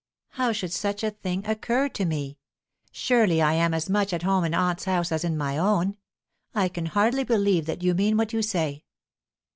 "How should such a thing occur to me? Surely I am as much at home in aunt's house as in my own? I can hardly believe that you mean what you say."